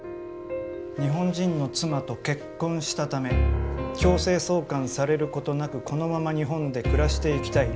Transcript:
日本人の妻と結婚したため強制送還されることなくこのまま日本で暮らしていきたい。